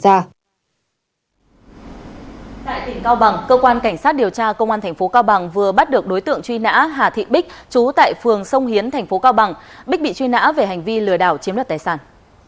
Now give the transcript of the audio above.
tại tỉnh cao bằng cơ quan cảnh sát điều tra công an tp cao bằng vừa bắt được đối tượng truy nã hà thị bích chú tại phường sông hiến tp cao bằng bích bị truy nã về hành vi lừa đảo chiếm đặt tài sản